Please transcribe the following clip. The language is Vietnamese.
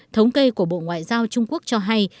thống kê của bộ ngoại giao trung quốc cho hay